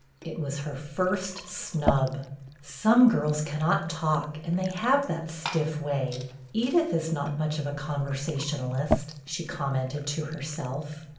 It was her first snub. " Some girls cannot talk, and they have that stiff way. Edith is not much of a con versationalist," she commented to herself.